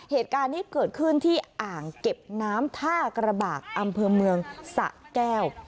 เหตุการณ์นี้เกิดขึ้นที่อ่างเก็บน้ำท่ากระบากอำเภอเมืองสะแก้ว